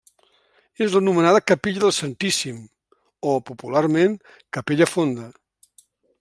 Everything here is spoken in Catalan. És l'anomenada Capella del Santíssim o, popularment, capella fonda.